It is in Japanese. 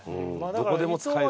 どこでも使える感じ。